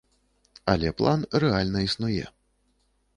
Але план рэальна існуе.